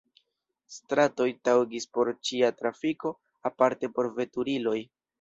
Stratoj taŭgis por ĉia trafiko, aparte por veturiloj.